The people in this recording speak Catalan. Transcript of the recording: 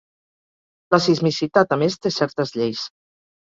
La sismicitat, a més, té certes lleis.